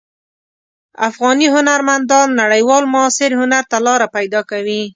افغاني هنرمندان نړیوال معاصر هنر ته لاره پیدا کوي.